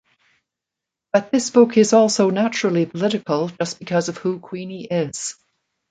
But this book is also naturally political just because of who Queenie is.